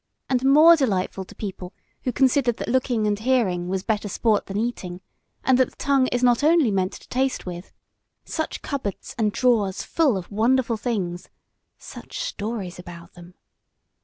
and more delightful to people who considered that looking and hearing was better sport than eating, and that the tongue is not only meant to taste with, such cupboards and drawers full of wonderful things, such stories about them!